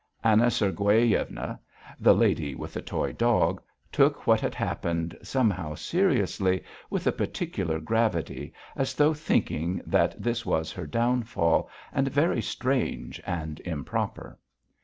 Anna Sergueyevna, "the lady with the toy dog" took what had happened somehow seriously, with a particular gravity, as though thinking that this was her downfall and very strange and improper.